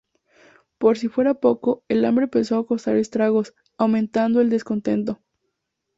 Por si fuera poco, el hambre empezó a causar estragos, aumentando el descontento.